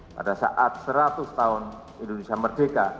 dua ribu empat puluh lima pada saat seratus tahun indonesia merdeka